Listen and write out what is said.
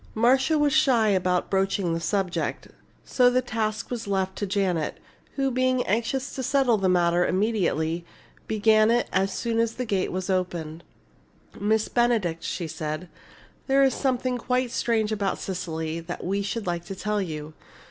Marcia was shy about broaching the subject, so the task was left to Janet, who, being anxious to settle the matter immediately, began it as soon as the gate was opened. "Miss Benedict," she said, "there is something quite strange about Cecily that we should like to tell you.